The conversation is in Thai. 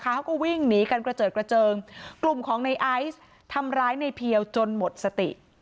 เขาก็วิ่งหนีกันกระเจิดกระเจิงกลุ่มของในไอซ์ทำร้ายในเพียวจนหมดสติ